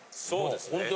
そうですね。